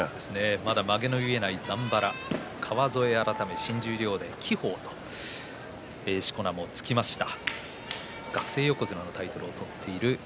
まだまげの結えないざんばら川副改め輝鵬しこ名も付きました。